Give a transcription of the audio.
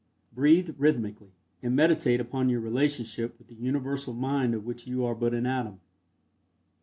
Breathe rhythmically, and meditate upon your relationship with the Universal Mind of which you are but an atom.